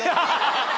ハハハ！